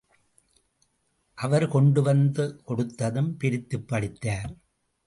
அவர் கொண்டு வந்து கொடுத்ததும், பிரித்துப் படித்தார்.